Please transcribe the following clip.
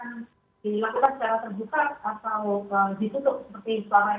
ini mau dilakukan secara terbuka atau ditutup seperti sekarang ini